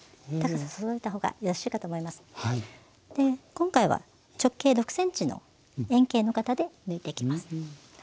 今回は直径６ｃｍの円形の型で抜いていきます。